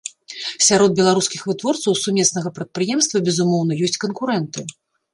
Сярод беларускіх вытворцаў у сумеснага прадпрыемства, безумоўна, ёсць канкурэнты.